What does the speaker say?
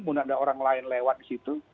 pun ada orang lain lewat disitu